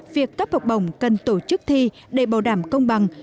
việc cấp học bổng cần tổ chức thi để bảo đảm công bằng